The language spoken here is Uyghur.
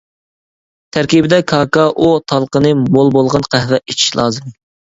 تەركىبىدە كاكائو تالقىنى مول بولغان قەھۋە ئېچىش لازىم.